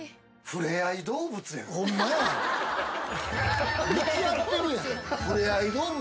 ふれあい動物やん。